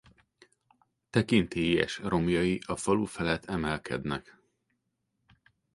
Tekintélyes romjai a falu felett emelkednek.